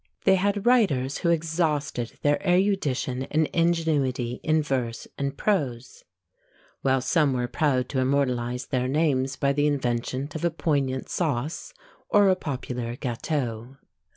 They had writers who exhausted their erudition and ingenuity in verse and prose; while some were proud to immortalise their names by the invention of a poignant sauce, or a popular gÃḃteau.